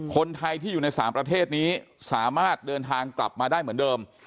คนไทยที่อยู่ใน๓ประเทศนี้สามารถเดินทางกลับมาได้เหมือนเดิม